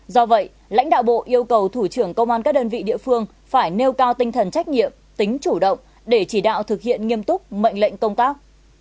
do vậy lãnh đạo bộ yêu cầu thủ trưởng công an các đơn vị địa phương phải nêu cao tinh thần trách nhiệm tính chủ động để chỉ đạo thực hiện nghiêm túc mệnh lệnh công tác